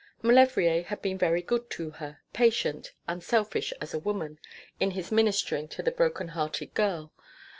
Maulevrier had been very good to her, patient, unselfish as a woman, in his ministering to the broken hearted girl.